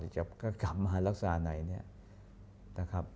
จะกลับมาลักษณะไหนเนี่ยนะครับ